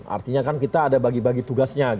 artinya kan kita ada bagi bagi tugasnya